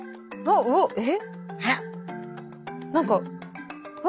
へっ？えっ？